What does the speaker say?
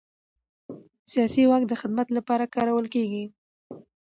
سیاسي واک د خدمت لپاره کارول کېږي